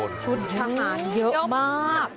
จุดทำงานเยอะมาก